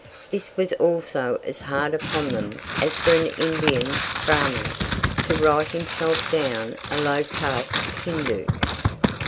This was almost as hard upon them as for an Indian Brahmin to write himself down a low caste Hindoo.